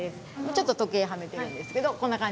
ちょっと時計はめてるんですけどこんな感じで。